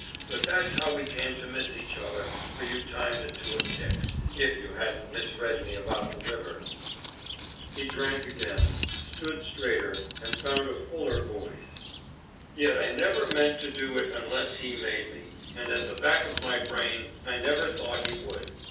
But that's how we came to miss each other, for you timed it to a tick, if you hadn't misread me about the river." He drank again, stood straighter, and found a fuller voice. "Yet I never meant to do it unless he made me, and at the back of my brain I never thought he would.